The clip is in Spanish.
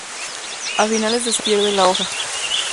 A finales de septiembre pierde la hoja.